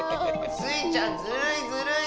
スイちゃんずるいずるい！